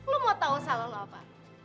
lo mau tau salah apa